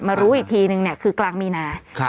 มารู้อีกทีนึงเนี่ยคือกลางมีนา